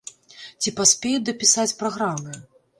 Ці паспеюць дапісаць праграмы?